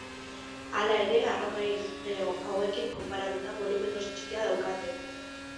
Hala ere arroka igneo hauekin konparatuta bolumen oso txikia daukate.